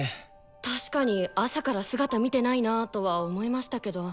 確かに朝から姿見てないなぁとは思いましたけど。